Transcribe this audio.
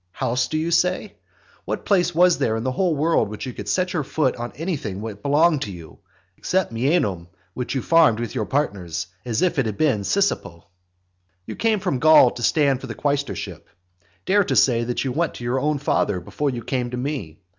House, do you say? what place was there in the whole world where you could set your foot on anything that belonged to you, except Mienum, which you farmed with your partners, as if it had been Sisapo? XX. You came from Gaul to stand for the quaestorship. Dare to say that you went to your own father before you came to me.